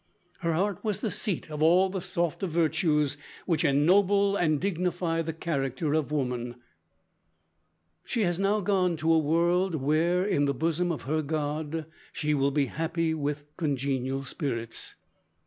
Her heart was the seat of all the softer virtues which ennoble and dignify the character of woman. "She has now gone to a world, where, in the bosom of her God, she will be happy with congenial spirits.